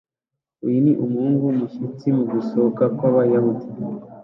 Uyu ni umuhungu umushyitsi mugusohoka kwabayahudi